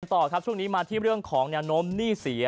ต่อครับช่วงนี้มาที่เรื่องของแนวโน้มหนี้เสีย